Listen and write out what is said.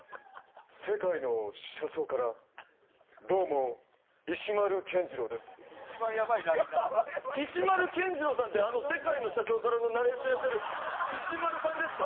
世界の車窓から、どうも、石丸謙二郎さんって、あの世界の車窓からのナレーションやってる石丸さんですか？